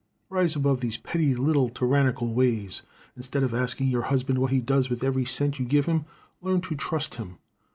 Rise above these petty little tyrannical ways. Instead of asking your husband what he does with every cent you give him, learn to trust him.